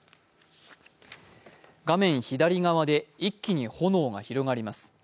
画面左側で一気に炎が広がります。